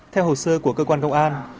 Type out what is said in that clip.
theo hồ sơ của cơ quan công an